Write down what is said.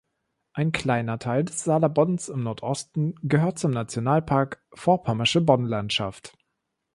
Ein kleiner Teil des Saaler Boddens im Nordosten gehört zum Nationalpark Vorpommersche Boddenlandschaft.